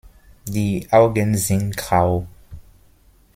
Die Augen sind grau.